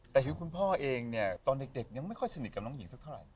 แต่คือคุณพ่อเองเนี่ยตอนเด็กยังไม่ค่อยสนิทกับน้องหญิงสักเท่าไหร่